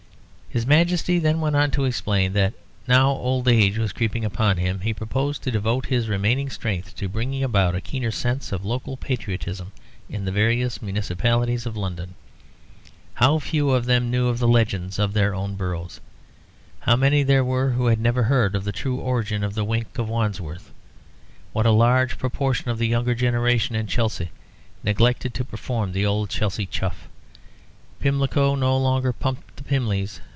His Majesty then went on to explain that, now old age was creeping upon him, he proposed to devote his remaining strength to bringing about a keener sense of local patriotism in the various municipalities of London. How few of them knew the legends of their own boroughs! How many there were who had never heard of the true origin of the Wink of Wandsworth! What a large proportion of the younger generation in Chelsea neglected to perform the old Chelsea Chuff! Pimlico no longer pumped the Pimlies.